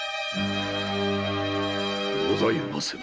ございません。